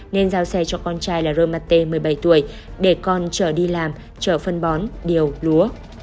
nên giao xe cho con trai là roma t một mươi bảy tuổi để con chở đi làm chở phân bón điều lúa